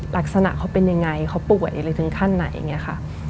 ลักษณะเขาเป็นยังไงเขาป่วยอะไรถึงขั้นไหนอย่างนี้ค่ะ